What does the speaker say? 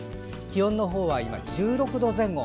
気温の方は１６度前後。